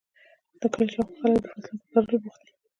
د کلي شااوخوا خلک د فصلونو په کرلو بوخت دي.